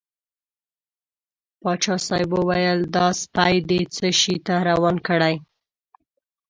پاچا صاحب وویل دا سپی دې څه شي ته روان کړی.